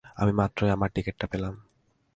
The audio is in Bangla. আমি মাত্রই আমার টিকিট টা পেলাম।